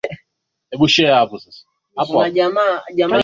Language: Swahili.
wa kumshinikiza bagbo aondoke madarakani